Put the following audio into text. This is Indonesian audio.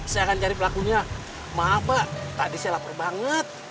saya akan cari pelakunya maaf pak tadi saya lapor banget